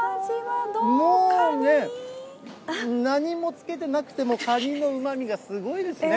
もうね、何もつけてなくてもカニのうまみがすごいですね。